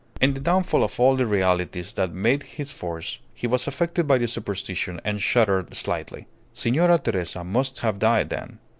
In the downfall of all the realities that made his force, he was affected by the superstition, and shuddered slightly. Signora Teresa must have died, then.